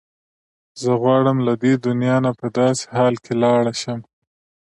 زه غواړم له دې دنیا نه په داسې حال کې لاړه شم.